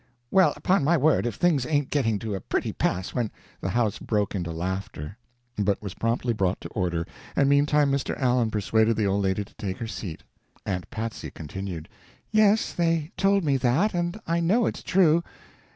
Well, upon my word if things ain't getting to a pretty pass when " The house broke into laughter, but was promptly brought to order, and meantime Mr. Allen persuaded the old lady to take her seat. Aunt Patsy continued: "Yes, they told me that, and I know it's true.